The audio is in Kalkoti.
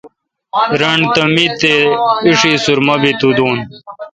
رݨ تہ می تے°ایݭی سرمہ بی تو دون۔